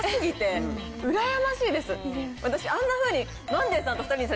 私あんなふうに。